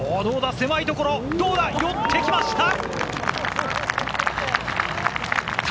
狭いところ、寄ってきました。